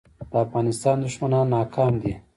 د افغانستان دښمنان ناکام دي